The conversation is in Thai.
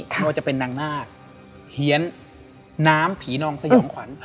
ไม่ว่าจะเป็นนางนาคเฮียนน้ำผีนองสยองขวัญ